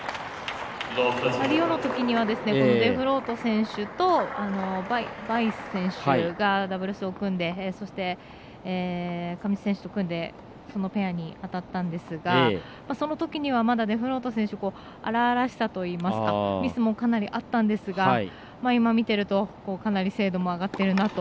リオのときにはデフロート選手とバイス選手がダブルスを組んで上地選手と組んでそのペアに当たったんですがそのときはまだデフロート選手は荒々しさといいますかミスもかなりあったんですが今見ているとかなり精度も上がっているなと。